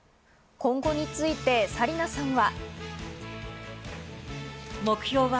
今後について紗理奈さんは。